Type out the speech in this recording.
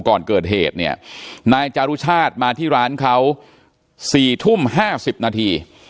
ก่อนเกิดเหตุเนี่ยนายจารุชาติมาที่ร้านเขา๔ทุ่ม๕๐นาที